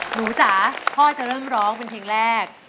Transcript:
จ๋าพ่อจะเริ่มร้องเป็นเพลงแรก